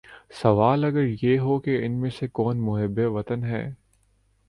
سوال اگر یہ ہو کہ ان میں سے کون محب وطن ہے